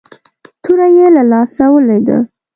توره يې له لاسه ولوېده.